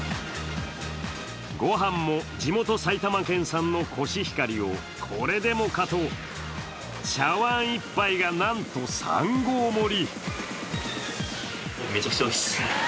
御飯も地元埼玉県産のコシヒカリをこれでもかと茶碗１杯がなんと３合盛り。